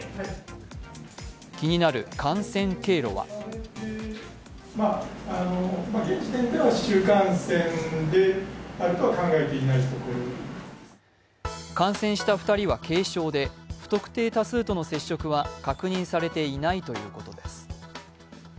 気になる感染経路は感染した２人は軽症で不特定多数との接触は確認されていないということです。